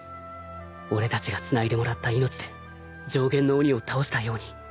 俺たちがつないでもらった命で上弦の鬼を倒したように。